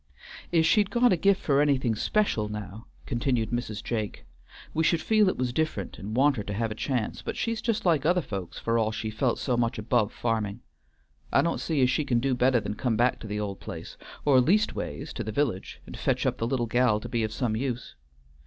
"If she'd got a gift for anything special, now," continued Mrs. Jake, "we should feel it was different and want her to have a chance, but she's just like other folks for all she felt so much above farming. I don't see as she can do better than come back to the old place, or leastways to the village, and fetch up the little gal to be some use.